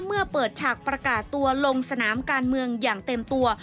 เมื่อเปิดฉากประกาศตัวลงสนามการเมืองอย่างเต็มตัว